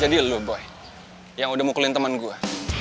jadi lo boy yang udah mukulin temen gue